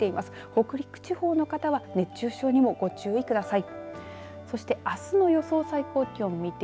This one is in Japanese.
北陸地方の方は熱中症にもご注意ください。